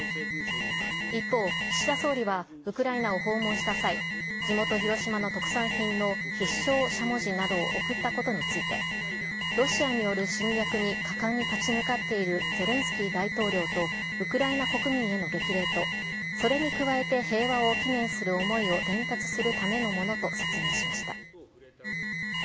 一方、岸田総理はウクライナを訪問した際、地元、広島の特産品の必勝しゃもじなどを贈ったことについて、ロシアによる侵略に果敢に立ち向かっているゼレンスキー大統領とウクライナ国民への激励と、それに加えて平和を祈念する思いを伝達するためのものと説明しました。